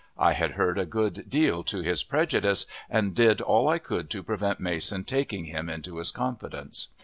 I had heard a good deal to his prejudice, and did all I could to prevent Mason taking him, into his confidence.